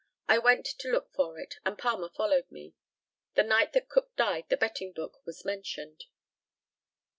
I went to look for it, and Palmer followed me. The night that Cook died the betting book was mentioned.